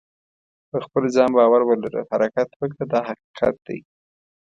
په خپل ځان باور ولره حرکت وکړه دا حقیقت دی.